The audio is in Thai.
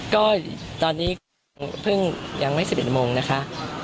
ก็ตอนนี้เพิ่งยังไม่๑๑โมงนะคะ